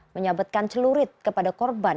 menyabetkan celurit kepada korban